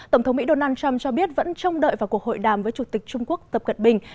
tổng thống mỹ donald trump cho biết vẫn trông đợi vào cuộc hội đàm với chủ tịch trung quốc tập cận bình